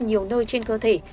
nhiều nơi trên cơ thể